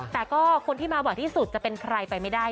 แต่ก็คนที่มาบ่อยที่สุดจะเป็นใครไปไม่ได้